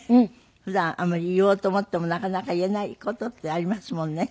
普段あんまり言おうと思ってもなかなか言えない事ってありますもんね